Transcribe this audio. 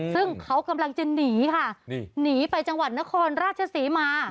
ซึ่งเขากำลังจะหนีค่ะหนีไปจังหวัดนครราชศรีมา